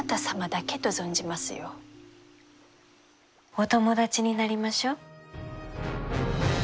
お友達になりましょう。